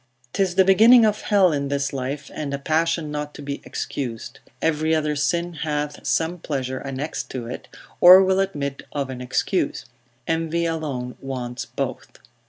'Tis the beginning of hell in this life, and a passion not to be excused. Every other sin hath some pleasure annexed to it, or will admit of an excuse; envy alone wants both.